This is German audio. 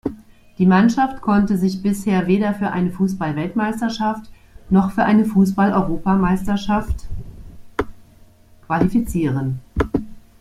Die Mannschaft konnte sich bisher weder für eine Fußball-Weltmeisterschaft noch für eine Fußball-Europameisterschaft qualifizieren.